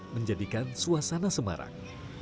menjadikan suasana semarang